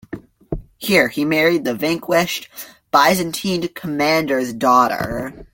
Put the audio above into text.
Here he married the vanquished Byzantine commander's daughter.